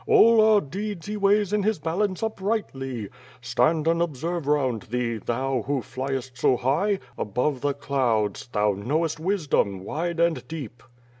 All our deeds He weighs in his balance uprightly Stand and observe round thee, thou, who fliest so high, Above the clouds, thou knowest wisdom, wide and deep.'